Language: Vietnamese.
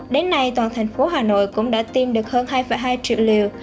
đến nay toàn thành phố hà nội cũng đã tiêm được hơn hai hai triệu liều